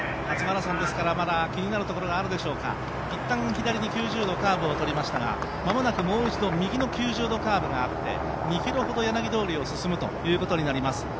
初マラソンですからきになるところがあるでしょうが、いったん、左に９０度カーブを切りましたが間もなく、もう一度右の９０度カーブがあって２ｋｍほど柳通りを進むということになります。